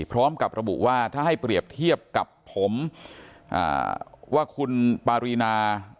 พร้อมกับระบุว่าถ้าให้เปรียบเทียบกับผมว่าคุณปารีนา